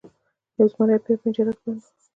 یو زمری په یوه پنجره کې بند و.